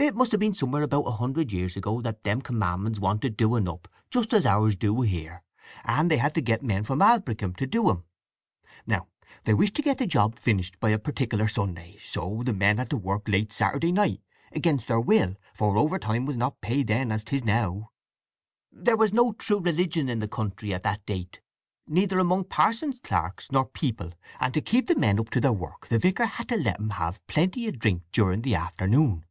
It must have been somewhere about a hundred years ago that them Commandments wanted doing up just as ours do here, and they had to get men from Aldbrickham to do 'em. Now they wished to get the job finished by a particular Sunday, so the men had to work late Saturday night, against their will, for overtime was not paid then as 'tis now. There was no true religion in the country at that date, neither among pa'sons, clerks, nor people, and to keep the men up to their work the vicar had to let 'em have plenty of drink during the afternoon.